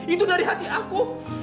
itu dari hati aku